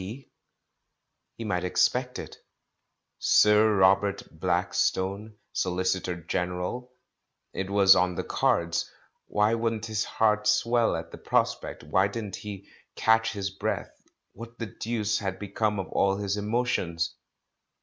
P."? He might expect it. "Sir Rob ert Blackstone, SoHcitor General" ? It was on the cards. Why wouldn't his heart swell at the prospect, why didn't he catch his breath, what the deuce had become of all his emotions?